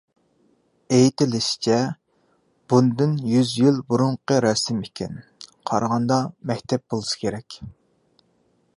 ئېيتىلىشىچە، بۇندىن يۈز يىل بۇرۇنقى رەسىم ئىكەن. قارىغاندا مەكتەپ بولسا كېرەك.